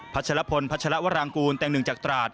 ัชรพลพัชรวรางกูลแต่งหนึ่งจากตราด